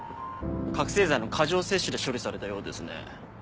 覚醒剤の過剰摂取で処理されたようですね。